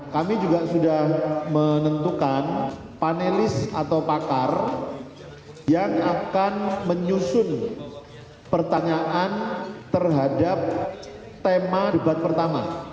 kami juga sudah menentukan panelis atau pakar yang akan menyusun pertanyaan terhadap tema debat pertama